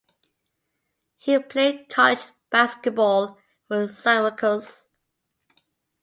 He played college basketball for Syracuse.